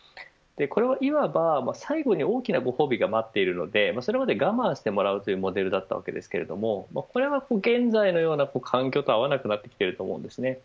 これを、いわば最後に大きなご褒美が待っているのでそれまで我慢してもらうというモデルでしたがこれは現在のような環境とは合わなくなってきていると思います。